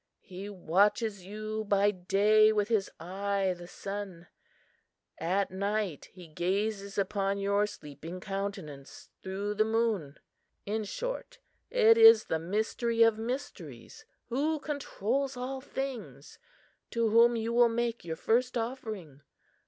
He watches you by day with his eye, the sun; at night, he gazes upon your sleeping countenance through the moon. In short, it is the Mystery of Mysteries, who controls all things to whom you will make your first offering.